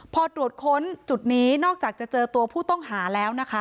พอตรวจค้นจุดนี้นอกจากจะเจอตัวผู้ต้องหาแล้วนะคะ